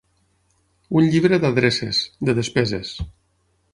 Un llibre d'adreces, de despeses.